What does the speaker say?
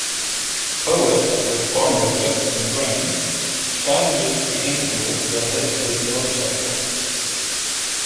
Poet, with far more guts than brains, challenges the Angel that hit his motorcycle.